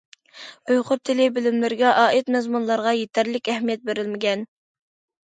ئۇيغۇر تىلى بىلىملىرىگە ئائىت مەزمۇنلارغا يېتەرلىك ئەھمىيەت بېرىلمىگەن.